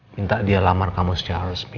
minta dia lamar kamu secara resmi